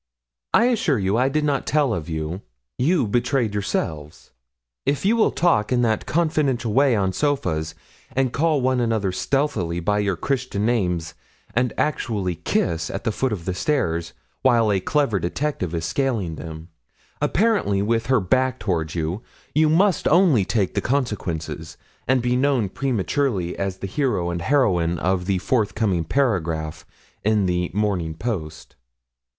I assure you I did not tell of you; you betrayed yourselves. If you will talk in that confidential way on sofas, and call one another stealthily by your Christian names, and actually kiss at the foot of the stairs, while a clever detective is scaling them, apparently with her back toward you, you must only take the consequences, and be known prematurely as the hero and heroine of the forthcoming paragraph in the "Morning Post."'